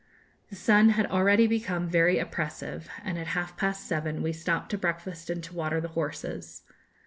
The sun had already become very oppressive, and at half past seven we stopped to breakfast and to water the horses.